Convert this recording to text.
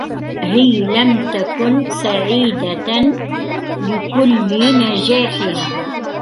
هي لم تكُن سعيدة لكل نجاحِها.